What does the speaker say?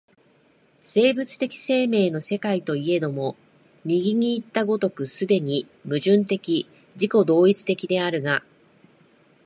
生物的生命の世界といえども、右にいった如く既に矛盾的自己同一的であるが、